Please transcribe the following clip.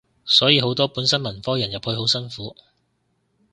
所以好多本身文科人入去好辛苦